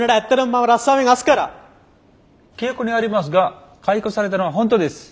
記憶にありますが解雇されたのは本当です。